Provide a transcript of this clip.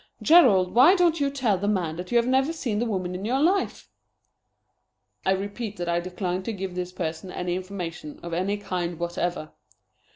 Gerald, why don't you tell the man that you have never seen the woman in your life?" "I repeat that I decline to give this person any information of any kind whatever."